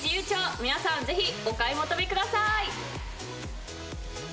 皆さんぜひお買い求めください。